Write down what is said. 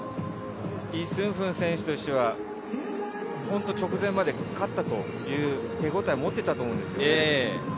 イ・スンフン選手としては、直前まで勝ったという手応えを持っていたと思うんです。